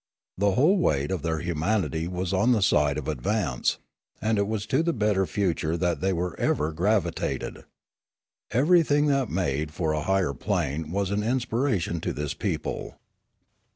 The whole weight of their humanity was on the side of advance, and it was to the better future that they ever gravitated. Everything that made for a higher plane was an in spiration to this people.